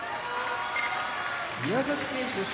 宮崎県出身